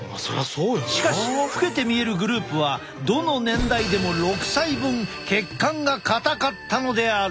しかし老けて見えるグループはどの年代でも６歳分血管が硬かったのである！